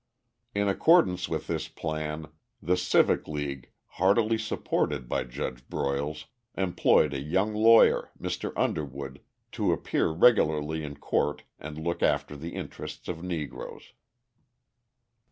In accordance with this plan, the Civic League, heartily supported by Judge Broyles, employed a young lawyer, Mr. Underwood, to appear regularly in court and look after the interests of Negroes.